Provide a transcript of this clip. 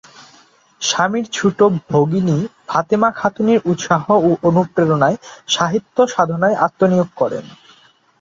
স্বামীর ছোট ভগিনী ফাতেমা খাতুনের উৎসাহ ও অনুপ্রেরণায় সাহিত্য সাধনায় আত্মনিয়োগ করেন।